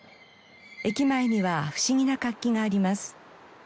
駅前には不思議な活気があります。